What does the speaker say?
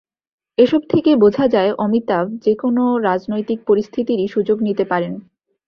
এসব থেকেই বোঝা যায়, অমিতাভ যেকোনো রাজনৈতিক পরিস্থিতিরই সুযোগ নিতে পারেন।